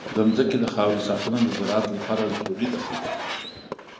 د ځمکې د خاورې ساتنه د زراعت لپاره ضروري ده.